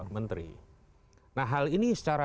menteri nah hal ini secara